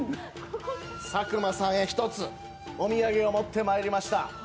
佐久間さんへ一つお土産を持ってまいりました。